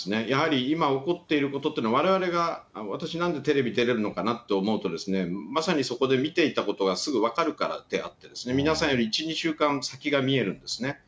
やはり今起こっていることっていうのは、われわれが、私、なんでテレビ出れるのかなって思うと、まさにそこで見ていたことがすぐ分かるからであって、皆さんより１、２週間先が見えるんですね。